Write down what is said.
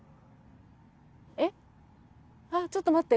あっちょっと待って。